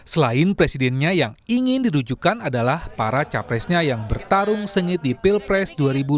selain presidennya yang ingin dirujukan adalah para capresnya yang bertarung sengit di pilpres dua ribu dua puluh